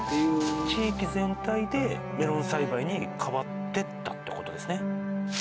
地域全体でメロン栽培に変わっていったって事ですね。